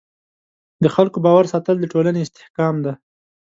د خلکو باور ساتل د ټولنې استحکام دی.